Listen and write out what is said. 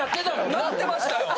なってましたよ。